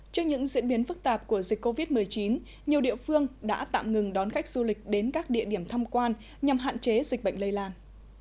trước những diễn biến phức tạp của dịch covid một mươi chín nhiều địa phương đã tạm ngừng đón khách du lịch đến các địa điểm thăm quan nhằm hạn chế dịch bệnh lây lan